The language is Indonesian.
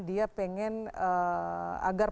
dia ingin agar